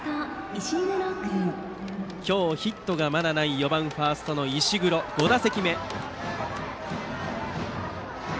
今日、ヒットがまだない４番ファーストの石黒の５打席目です。